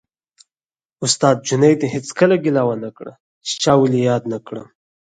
استاد جنید هېڅکله ګیله ونه کړه چې چا ولې یاد نه کړم